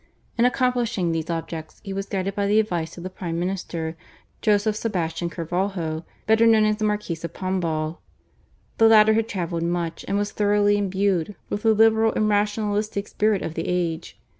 In accomplishing these objects he was guided by the advice of the prime minister, Joseph Sebastian Carvalho, better known as the Marquis of Pombal. The latter had travelled much, and was thoroughly imbued with the liberal and rationalistic spirit of the age.